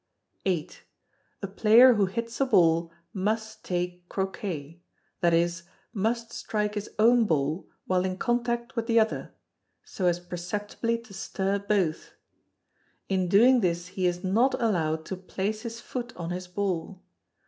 viii. A player who hits a ball must take Croquet: that is, must strike his own ball while in contact with the other, so as perceptibly to stir both. In doing this he is not allowed to place his foot on his ball.